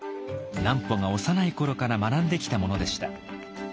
南畝が幼い頃から学んできたものでした。